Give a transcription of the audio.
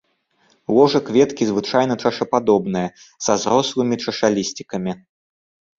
Ложа кветкі звычайна чашападобная, са зрослымі чашалісцікамі.